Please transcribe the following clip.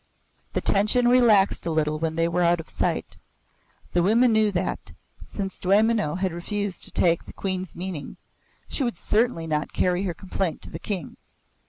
The tension relaxed a little when they were out of sight. The women knew that, since Dwaymenau had refused to take the Queen's meaning, she would certainly not carry her complaint to the King.